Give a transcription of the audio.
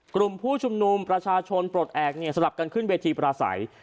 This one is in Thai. กลุ่มผู้ชุมนุมประชาชนปลดแอบเนี่ยสลับกันขึ้นเวทีปราศัย